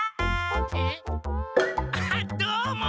あっども！